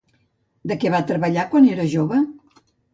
De què va treballar quan era jove?